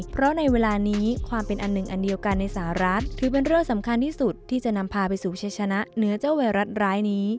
เพราะในเวลานี้ความเป็นอันหนึ่งอันเดียวกันในสหรัฐถือเป็นเรื่องสำคัญที่สุดที่จะนำพาไปสู่ชัยชนะเนื้อเจ้าไวรัสร้ายนี้